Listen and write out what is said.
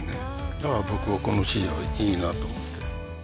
だから僕はこの詞いいなと思って。